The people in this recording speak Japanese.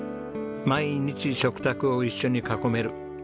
毎日食卓を一緒に囲める。